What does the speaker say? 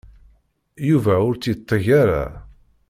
Yuba ur tt-yetteg ara.